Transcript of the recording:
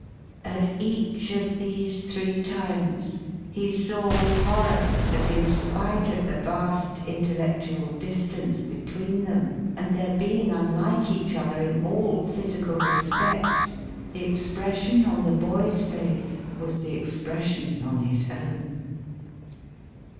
At each of these three times, he saw with horror that, in LODGINGS FOR TRAVELLERS. 481 spite of the vast intellectual distance between them, and their being unlike each other in all physical respects, the expression on the boy's face was the expression on his own.